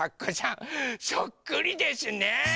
そっくりですね！